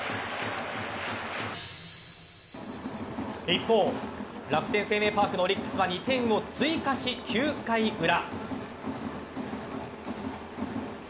一方楽天生命パークのオリックスは２点を追加し、９回裏。